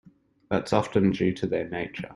That's often due to their nature.